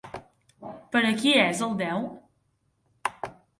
Per a qui és el deu?